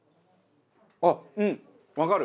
あっうんわかる。